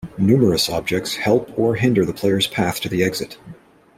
Numerous objects help or hinder the player's path to the exit.